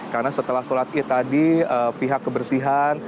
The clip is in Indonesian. karena setelah salat id tadi pihak kebersihan